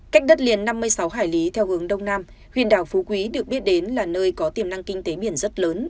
cách đất liền năm mươi sáu hải lý theo hướng đông nam huyện đảo phú quý được biết đến là nơi có tiềm năng kinh tế biển rất lớn